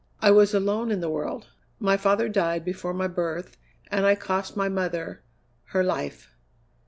I was alone in the world. My father died before my birth, and I cost my mother her life.